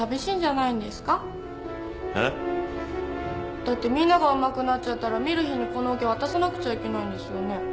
えっ？だってみんながうまくなっちゃったらミルヒーにこのオケ渡さなくちゃいけないんですよね？